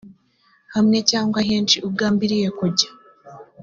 hamwe cyangwa henshi ugambiriye kujya